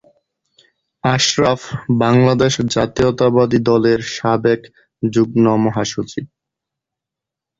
আশরাফ বাংলাদেশ জাতীয়তাবাদী দলের সাবেক যুগ্ম মহাসচিব।